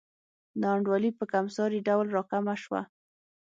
نا انډولي په کمسارې ډول راکمه شوه.